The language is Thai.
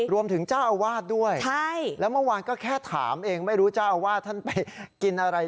รวมถึงเจ้าอาวาสด้วยใช่แล้วเมื่อวานก็แค่ถามเองไม่รู้เจ้าอาวาสท่านไปกินอะไร